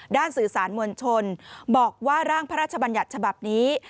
สื่อสารมวลชนบอกว่าร่างพระราชบัญญัติฉบับนี้